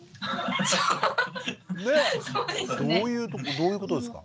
どういうことですか？